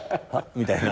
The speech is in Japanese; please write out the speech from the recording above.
みたいな。